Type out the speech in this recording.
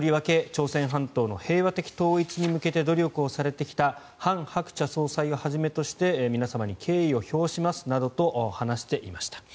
朝鮮半島の平和的統一に向けて努力をされてきたハン・ハクチャ総裁をはじめとして皆様に敬意を表しますなどと話していました。